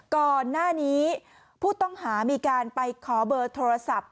ก่อนหน้านี้ผู้ต้องหามีการไปขอเบอร์โทรศัพท์